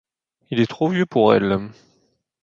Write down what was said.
Il est trop vieux pour elle.